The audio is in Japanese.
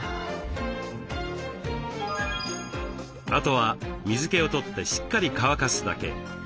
あとは水気を取ってしっかり乾かすだけ。